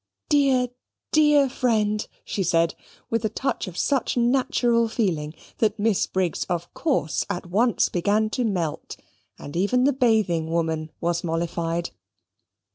"Dear, dear friend!" she said, with a touch of such natural feeling, that Miss Briggs of course at once began to melt, and even the bathing woman was mollified.